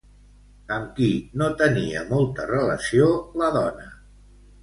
Amb qui no tenia molta relació la dona?